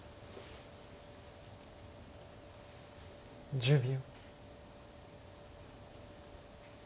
１０秒。